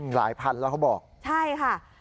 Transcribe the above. หลายพันแล้วเขาบอก